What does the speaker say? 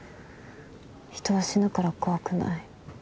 人は死ぬから怖くない。